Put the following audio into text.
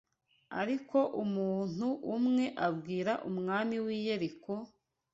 Ariko umuntu umwe abwira umwami w’i Yeriko